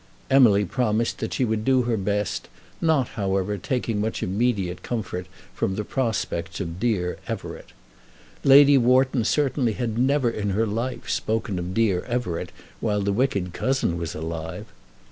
Emily promised that she would do her best, not, however, taking much immediate comfort from the prospects of dear Everett. Lady Wharton certainly had never in her life spoken of dear Everett while the wicked cousin was alive.